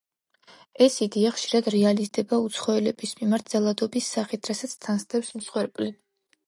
ეს იდეა ხშირად რეალიზდება უცხოელების მიმართ ძალადობის სახით, რასაც თან სდევს მსხვერპლი.